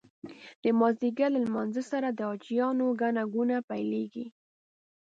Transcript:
د مازدیګر له لمانځه سره د حاجیانو ګڼه ګوڼه پیلېږي.